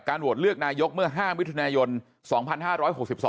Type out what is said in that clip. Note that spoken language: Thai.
การโหวตเลือกนายกเมื่อ๕วิทยาลัยยนตร์๒๕๖๒